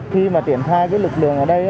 khi mà tiện thai cái lực lượng ở đây